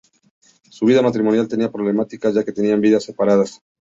Su vida matrimonial tenía problemáticas, ya que tenían vidas separadas.